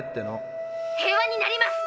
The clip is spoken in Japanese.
平和になります。